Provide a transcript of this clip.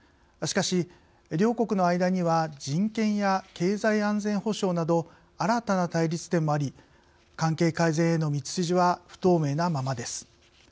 しかし、両国の間には人権や経済安全保障など新たな対立点もあり関係改善への道筋は不透明なままです。